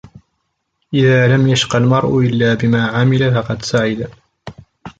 إذَا لَمْ يَشْقَ الْمَرْءُ إلَّا بِمَا عَمِلَ فَقَدْ سَعِدَ